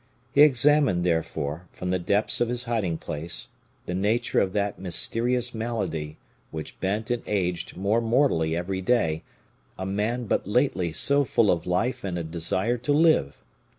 He examined, therefore, from the depths of his hiding place, the nature of that mysterious malady which bent and aged more mortally every day a man but lately so full of life and a desire to live.